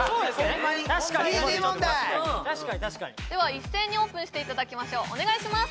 確かにホンマにでは一斉にオープンしていただきましょうお願いします！